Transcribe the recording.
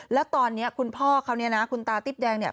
แล้วตอนนี้คุณพ่อเขาเนี่ยนะคุณตาติ๊บแดงเนี่ย